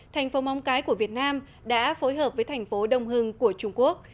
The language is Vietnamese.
thành phố móng cái của việt nam đã phối hợp với thành phố đông hưng của trung quốc